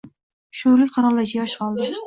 Sho‘rlik qirolicha! Yosh qoldi